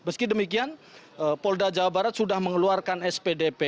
meski demikian polda jawa barat sudah mengeluarkan spdp